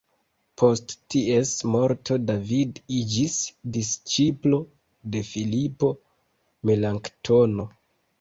Post ties morto David iĝis disĉiplo de Filipo Melanktono.